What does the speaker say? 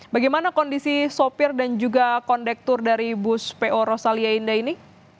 bagaimana kondisi sopir dan juga kondektur dari bus po rosalia indah ini